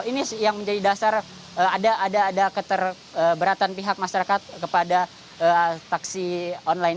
ini yang menjadi dasar ada keterberatan pihak masyarakat kepada taksi online